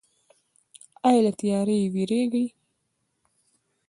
ایا له تیاره ویریږئ؟